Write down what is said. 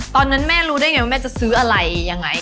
ตอนนั้นแม่รู้ได้ไงว่าแม่จะซื้ออะไรยังไง